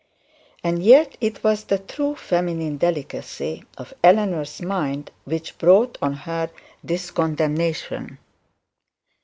And yet it was the true feminine delicacy of Eleanor's mind which brought her on this condemnation.